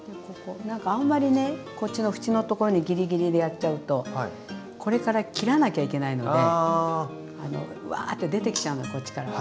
ここ何かあんまりねこっちの縁のところにギリギリでやっちゃうとこれから切らなきゃいけないのであのわって出てきちゃうのこっちから。